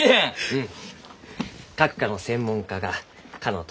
うん。